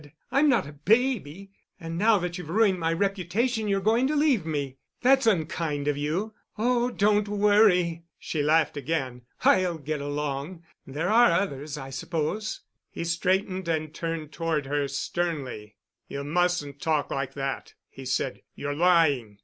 "I'm not a baby. And now that you've ruined my reputation you're going to leave me. That's unkind of you. Oh, don't worry," she laughed again. "I'll get along. There are others, I suppose." He straightened and turned toward her sternly. "You mustn't talk like that," he said. "You're lying.